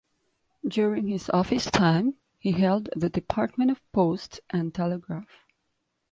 During his office time he held the Department of Posts and Telegraph.